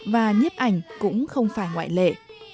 và nhếp ảnh cũng không phải ngoại lệ